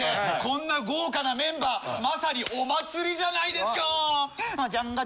こんな豪華なメンバーまさにお祭りじゃないですか。